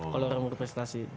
kalau orang berprestasi